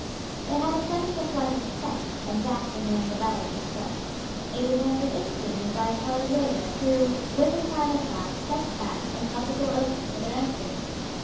They had ascended a flight of steps, and Jackson rang the bell as he spoke. It was answered instantly by a colored waiter, who with, a silent bow stepped back and held the door open for their entrance.